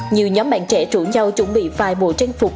nhiều nhóm bạn trẻ trụ nhau chuẩn bị vài bộ trang phục